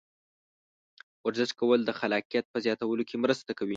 ورزش کول د خلاقیت په زیاتولو کې مرسته کوي.